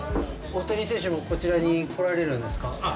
大谷選手もこちらに来られるんですか？